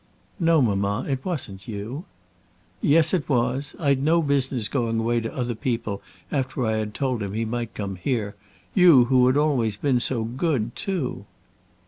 "No, mamma; it wasn't you." "Yes, it was. I'd no business going away to other people after I had told him he might come here. You, who had always been so good too!"